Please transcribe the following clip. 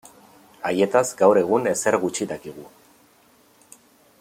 Haietaz gaur egun ezer gutxi dakigu.